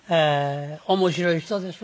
面白い人ですわ。